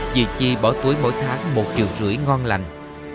chỉ chi bỏ túi mỗi tháng một triệu rưỡi ngon lạnh